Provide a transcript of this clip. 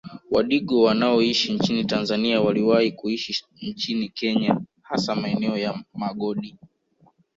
Wadigo wanaoishi nchini Tanzania waliwahi kuishi nchini Kenya hasa maeneo ya Magodi